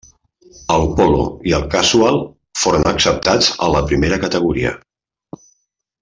El Polo i el Casual foren acceptats a la Primera Categoria.